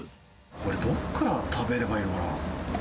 これ、どこから食べればいいのかな。